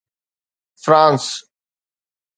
France